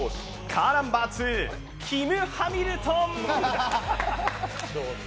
カーナンバー２キム・ハミルトン！